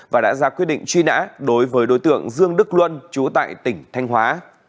và đã ra quyết định truy nã đối với đối tượng dương đức luân chú tại tỉnh thanh hóa